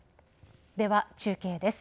では中継です。